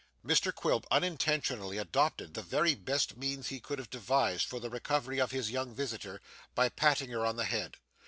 Mr Quilp unintentionally adopted the very best means he could have devised for the recovery of his young visitor, by patting her on the head.